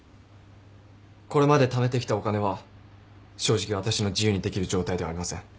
これまでためてきたお金は正直私の自由にできる状態ではありません。